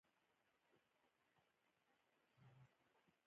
په هر صورت، راشه اوس به یو ګړی طبیعتونه سم کړو.